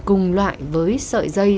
cùng loại với sợi dây